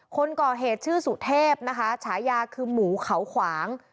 คนก่อเหตุชื่อสุเทพนะคะฉายาคือหมูเขาขวาง